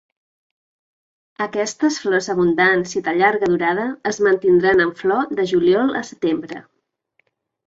Aquestes flors abundants i de llarga durada es mantindran en flor de juliol a setembre.